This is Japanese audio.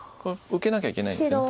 受けなきゃいけないんです。